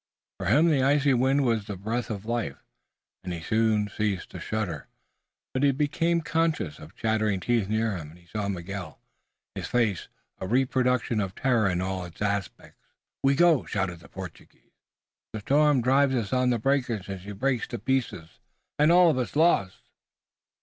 For him the icy wind was the breath of life, and he soon ceased to shiver. But he became conscious of chattering teeth near him and he saw Miguel, his face a reproduction of terror in all its aspects. "We go!" shouted the Portuguese. "The storm drive the ship on the breakers and she break to pieces, and all of us lost!"